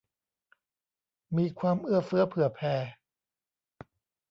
มีความเอื้อเฟื้อเผื่อแผ่